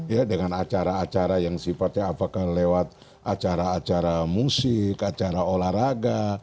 ya dengan acara acara yang sifatnya apakah lewat acara acara musik acara olahraga